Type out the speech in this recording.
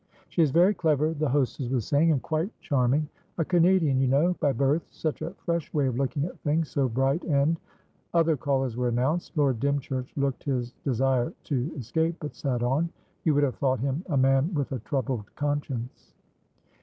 "She is very clever," the hostess was saying, "and quite charming. A Canadian, you know, by birth. Such a fresh way of looking at things; so bright and" Other callers were announced. Lord Dymchurch looked his desire to escape, but sat on. You would have thought him a man with a troubled conscience.